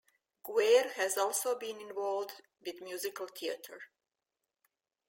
Guare has also been involved with musical theatre.